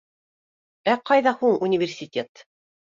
— Ә ҡайҙа һуң университет!